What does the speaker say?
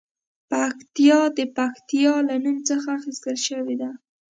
پکتیا د پښتیا له نوم څخه اخیستل شوې ده